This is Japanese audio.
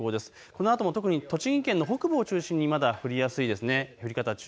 このあとも特に栃木県の北部を中心にまだ降りやすいです。